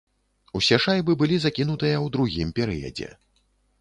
Усе шайбы былі закінутыя ў другім перыядзе.